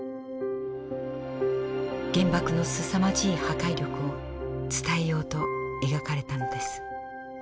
原爆のすさまじい破壊力を伝えようと描かれたのです。